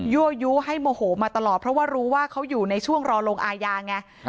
ั่วยู้ให้โมโหมาตลอดเพราะว่ารู้ว่าเขาอยู่ในช่วงรอลงอาญาไง